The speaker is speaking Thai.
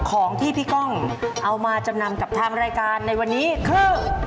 ของที่พี่ก้องเอามาจำนำกับทางรายการในวันนี้คือ